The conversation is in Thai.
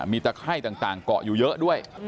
มีตะไข้ต่างเกาะอยู่เยอะด้วย